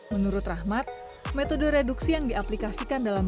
menurut kami ini adalah ruang yang sangat berbeda